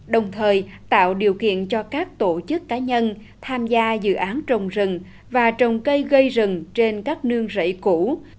đồng thời tạo điều kiện cho các tổ chức cá nhân tham gia dự án trồng rừng và trồng cây gây rừng trên các nương rẫy cũ